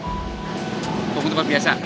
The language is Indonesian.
tunggu di tempat biasa